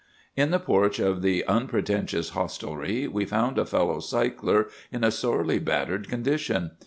"In the porch of the unpretentious hostelry we found a fellow 'cycler in a sorely battered condition.